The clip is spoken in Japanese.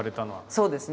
そうですね。